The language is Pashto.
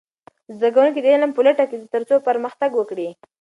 زده کوونکي د علم په لټه کې دي ترڅو پرمختګ وکړي.